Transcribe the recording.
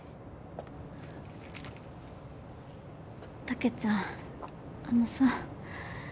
たけちゃんあのさ。